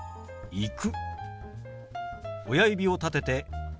「行く」。